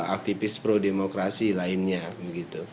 aktivis pro demokrasi lainnya begitu